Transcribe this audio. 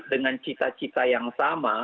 dengan cita cita yang sama